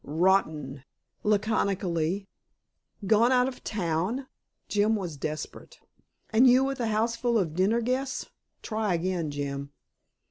"Rotten!" laconically. "Gone out of town?" Jim was desperate. "And you with a houseful of dinner guests! Try again, Jim."